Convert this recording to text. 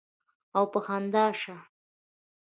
او پۀ خندا شۀ ـ